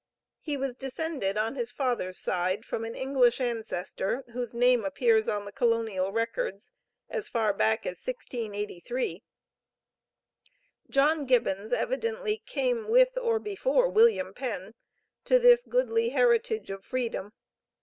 He was descended on his father's side from an English ancestor, whose name appears on the colonial records, as far back as 1683. John Gibbons evidently came with or before William Penn to this "goodly heritage of freedom."